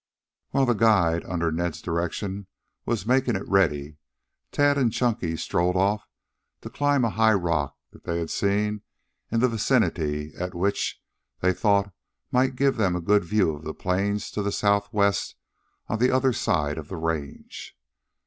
While the guide, under Ned's direction, was making it ready, Tad and Chunky strolled off to climb a high rock that they had seen in the vicinity and which, they thought, might give them a good view of the plains to the southwest on the other side of the range.